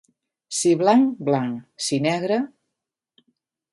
Si blanc, blanc, si negre...